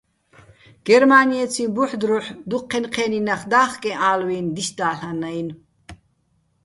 გერმა́ნიეციჼ ბუჰ̦ დროჰ̦ დუჴ ჴენ-ჴე́ნი ნახ და́ხკეჼ ალვინ დისდა́ლ'ანაჲნო̆.